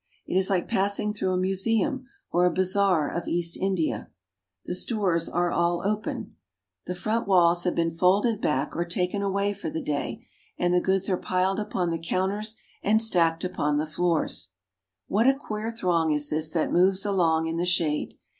It is like passing through a museum or a bazaar of East India. The stores are all open. The front walls ECUADOR Street Scene, Guayaquil. have been folded back or taken away for the day, and the goods are piled upon the counters and stacked upon the floors. What a queer throng is this that moves along in the shade